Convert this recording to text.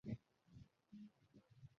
তিনি সেখানেই পড়াশোনা করেন।